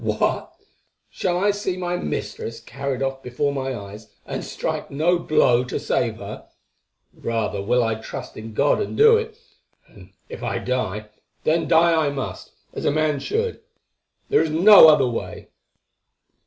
"What? Shall I see my mistress carried off before my eyes and strike no blow to save her? Rather will I trust in God and do it, and if I die, then die I must, as a man should. There is no other way."